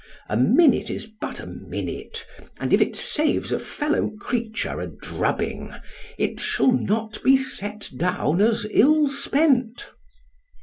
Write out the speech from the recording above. a minute is but a minute, and if it saves a fellow creature a drubbing, it shall not be set down as ill spent.